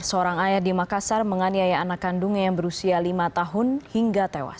seorang ayah di makassar menganiaya anak kandungnya yang berusia lima tahun hingga tewas